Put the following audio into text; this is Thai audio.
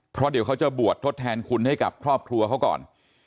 เพราะเดี๋ยวเขาจะบวชทดแทนคุณให้กับครอบครัวเขาก่อน